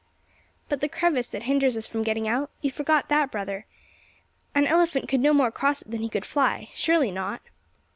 "But the crevasse that hinders us from getting out? You forget that, brother? An elephant could no more cross it than he could fly; surely not?"